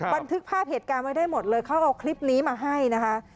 บันทึกภาพเหตุการณ์ไว้ได้หมดเลยเขาเอาคลิปนี้มาให้นะคะ